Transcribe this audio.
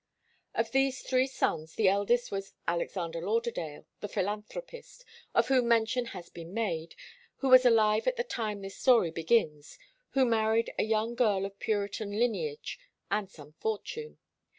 Of these three sons the eldest was Alexander Lauderdale, the philanthropist, of whom mention has been made, who was alive at the time this story begins, who married a young girl of Puritan lineage and some fortune.